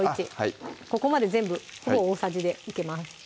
ここまで全部大さじでいけます